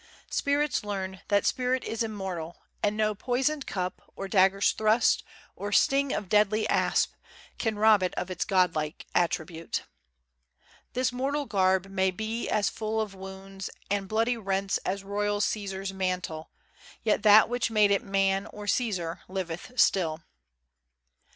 Spirits learn That spirit is immortal, and no poisoned cup, Or dagger's thrust, or sting of deadly asp, Can rob it of its Godlike attribute. This mortal garb may be as full of wounds And bloody rents as royal Cæsar's mantle; Yet that which made it man or Cæsar liveth still.